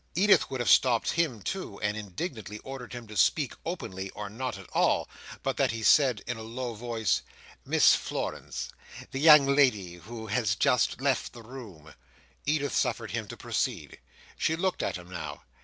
Edith would have stopped him too, and indignantly ordered him to speak openly or not at all, but that he said, in a low Voice—"Miss Florence—the young lady who has just left the room—" Edith suffered him to proceed. She looked at him now.